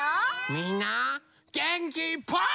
みんなげんきいっぱい。